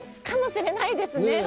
かもしれないですね